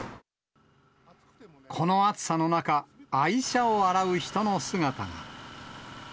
この暑さの中、愛車を洗う人の姿が。